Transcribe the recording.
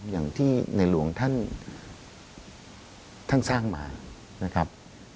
อย่างที่ในหลวงท่านสร้างมานะครับ